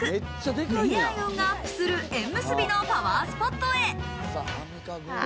恋愛運がアップする縁結びのパワースポットへ。